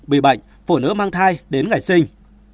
bị bệnh phụ nữ mang thai đến ngày sinh